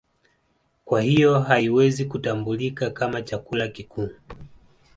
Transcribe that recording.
Kwa hiyo haiwezi kutambulika kama chakula kikuu